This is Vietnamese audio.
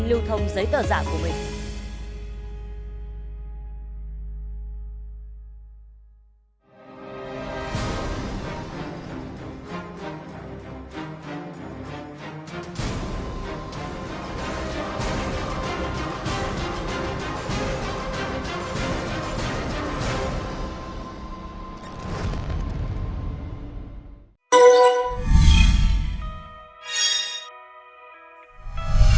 lưu thông giấy tờ giả của mình